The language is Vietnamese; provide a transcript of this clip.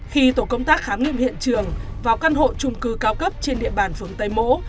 khi tổ công tác khám nghiệm hiện trường vào căn hộ trung cư cao cấp trên địa bàn phường tây mỗ